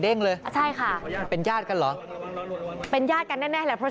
เลยใช่ค่ะเป็นญาติกันเหรอเป็นญาติกันแน่แน่แหละเพราะ